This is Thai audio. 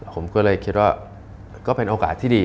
ผมก็เลยคิดว่าก็เป็นโอกาสที่ดี